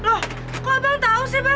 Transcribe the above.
loh kok abang tahu sih bang